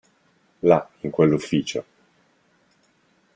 Là, in quell'ufficio.